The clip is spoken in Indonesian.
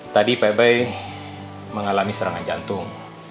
tadi pak bay mengalami serangan jantung